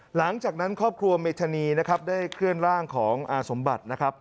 หลังจากนั้นครอบครัวเมธานีนะครับได้เคลื่อนร่างของอาสมบัตินะครับ